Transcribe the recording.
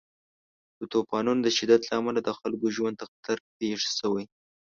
د طوفانونو د شدت له امله د خلکو ژوند ته خطر پېښ شوی.